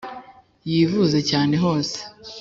Yivuze cyane hose